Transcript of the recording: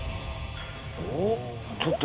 おっちょっと